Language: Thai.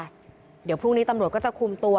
เดี๋ยวพรุ่งนี้ตำรวจก็จะคุมตัว